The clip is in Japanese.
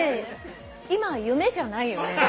今夢じゃないよね。